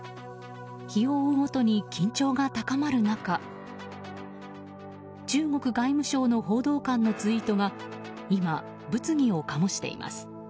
日を追うごとに緊張が高まる中中国外務省の報道官のツイートが今、物議を醸しています。